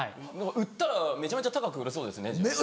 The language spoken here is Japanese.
売ったらめちゃめちゃ高く売れそうですね。